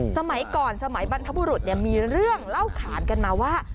สมัยก่อนสมัยบรรพบุรุษมีเรื่องเล่าขานกันมาว่า